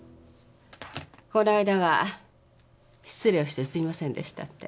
こないだは失礼をしてすいませんでしたって。